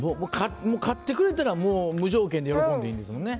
勝ってくれたら無条件で喜んでいいんですもんね。